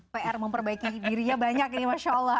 pr memperbaiki dirinya banyak ini masya allah